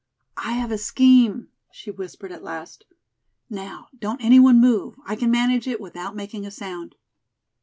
"I have a scheme," she whispered at last. "Now, don't any one move. I can manage it without making a sound."